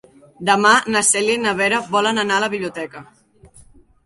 Demà na Cèlia i na Vera volen anar a la biblioteca.